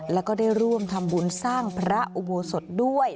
แล้วก็ได้ร่วมทำบุญสร้างพระอุโบสถด้วย